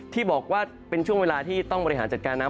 ที่บอกว่าเป็นช่วงเวลาที่ต้องบริหารจัดการน้ำ